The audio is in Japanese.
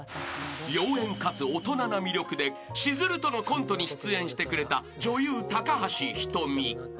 ［妖艶かつ大人な魅力でしずるとのコントに出演してくれた女優高橋ひとみ］